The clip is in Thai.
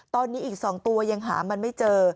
ตอนนี้อีก๒ตัวยังหามันไม่เจอ